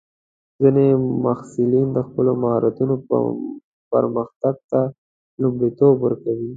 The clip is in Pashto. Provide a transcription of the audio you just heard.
ځینې محصلین د خپلو مهارتونو پرمختګ ته لومړیتوب ورکوي.